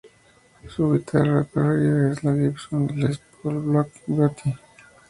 Su guitarra preferida es la "Gibson Les Paul Black Beauty.